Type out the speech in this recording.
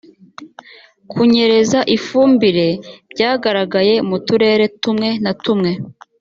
kunyereza ifumbire byagaragaye mu turere tumwe na tumwe